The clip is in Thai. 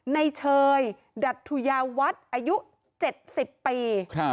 เชยดัทธุยาวัฒน์อายุ๗๐ปี